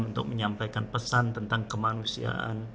untuk menyampaikan pesan tentang kemanusiaan